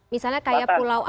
misalnya kayak pulau apa